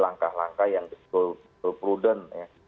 langkah langkah yang prudent